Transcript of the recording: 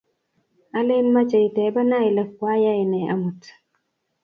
alen mache itebena ile kwayae nee amut